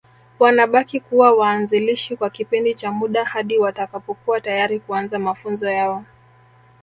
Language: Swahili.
Wanabaki kuwa waanzilishi kwa kipindi cha muda hadi watakapokuwa tayari kuanza mafunzo yao